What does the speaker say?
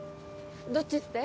どっちって？